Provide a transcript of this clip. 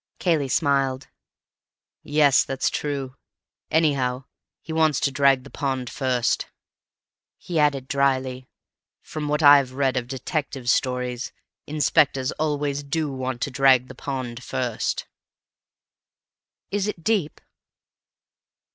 Cayley smiled. "Yes. That's true. Anyhow, he wants to drag the pond first." He added dryly, "From what I've read of detective stories, inspectors always do want to drag the pond first." "Is it deep?"